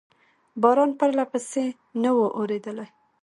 باران پرلپسې نه و اورېدلی.